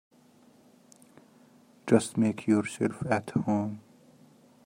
Just make yourselves at home.